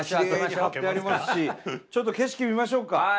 ちょっと景色見ましょうか。